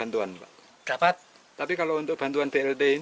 tapi kalau untuk bantuan blt ini